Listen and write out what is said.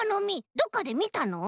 どこかでみたの？